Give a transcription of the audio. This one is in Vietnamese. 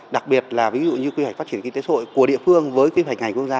đặc biệt là ví dụ như quy hoạch phát triển kinh tế sội của địa phương với quy hoạch ngành quốc gia